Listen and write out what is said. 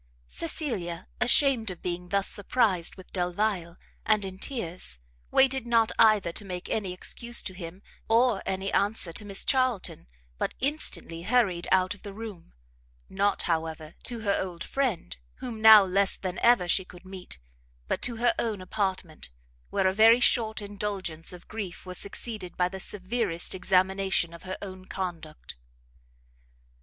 Cecilia, ashamed of being thus surprised with Delvile, and in tears, waited not either to make any excuse to him, or any answer to Miss Charlton, but instantly hurried out of the room; not, however, to her old friend, whom now less than ever she could meet, but to her own apartment, where a very short indulgence of grief was succeeded by the severest examination of her own conduct.